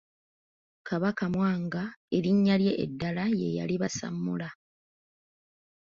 Kabaka Mwanga erinnya lye eddala ye yali Basammula.